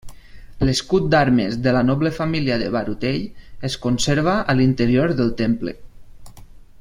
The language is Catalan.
L'escut d'armes de la noble família de Barutell, es conserva a l'interior del temple.